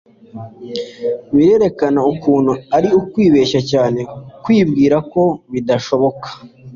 birerekana ukuntu ari ukwibeshya cyane kwibwira ko bidashoboka